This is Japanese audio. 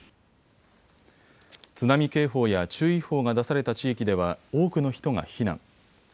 津波警報や注意報が出された地域では多くの人が避難。